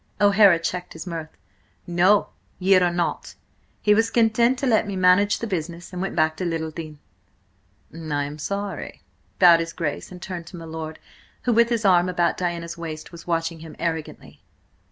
O'Hara checked his mirth. "No, ye are not! He was content to let me manage the business, and went back to Littledean." "I am sorry," bowed his Grace, and turned to my lord, who, with his arm about Diana's waist, was watching him arrogantly.